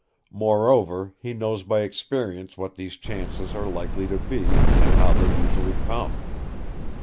Moreover, he knows by experience what these chances are likely to be, and how they usually come.